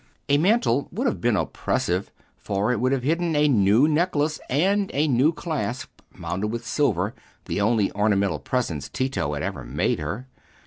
A mantle would have been oppressive, for it would have hidden a new necklace and a new clasp, mounted with silver, the only ornamental presents Tito had ever made her.